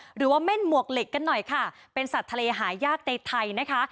หรือว่าเม่นหมวกเหล็กกันหน่อยค่ะเป็นสัตว์ทะเลหายากในไทยนะคะ